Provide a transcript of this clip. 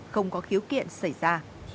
không có khiếu kiện xảy ra